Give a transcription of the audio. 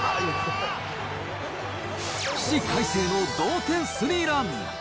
起死回生の同点スリーラン。